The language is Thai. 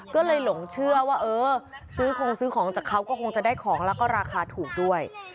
ก็เลยหลงเชื่อว่าเออซื้อคงซื้อของจากเขาก็คงจะได้ของแล้วก็ราคาถูกด้วย